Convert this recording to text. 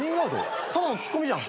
ただのツッコミじゃん。